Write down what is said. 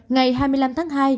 ngày hai mươi năm tháng hai